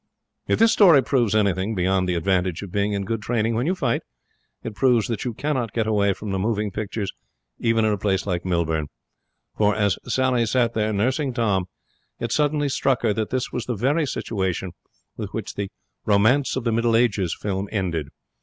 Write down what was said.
If this story proves anything (beyond the advantage of being in good training when you fight), it proves that you cannot get away from the moving pictures even in a place like Millbourne; for as Sally sat there, nursing Tom, it suddenly struck her that this was the very situation with which that 'Romance of the Middle Ages' film ended.